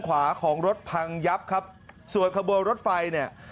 ขวาของรถพังยับครับส่วนขบวนรถไฟเนี่ย